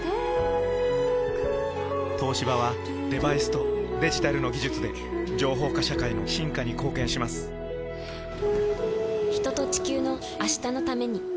東芝はデバイスとデジタルの技術で情報化社会の進化に貢献します人と、地球の、明日のために。